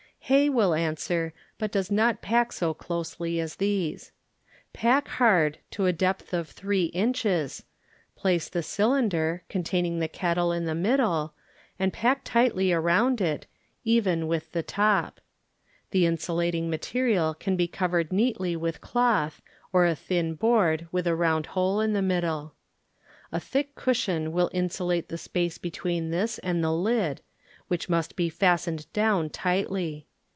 Hay will answer, but does not pack so closely as these. Pack hard to a depth of three inches, place the cylinder, con taining the kettle in the middle, and pack tightly around it, even with the top. The insulating material can be covered neatly with doth, or a thin board with a round hole in the middle. A thick cushion will insulate the space between this and the lid, which must be fastened down tightly.